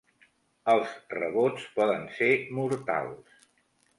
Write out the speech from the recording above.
Els rebots poden ser mortals.